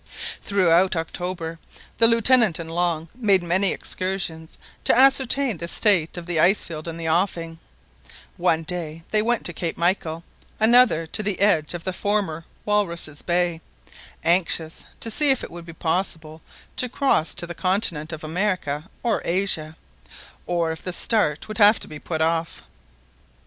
Throughout October the Lieutenant and Long made many excursions to ascertain the state of the ice field in the offing; one day they went to Cape Michael, another to the edge of the former Walruses' Bay, anxious to see if it would be possible to cross to the continent of America or Asia, or if the start would have to be put off.